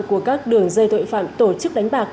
của các đường dây tội phạm tổ chức đánh bạc